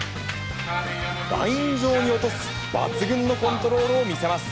ライン上に落とす抜群のコントロールを見せます。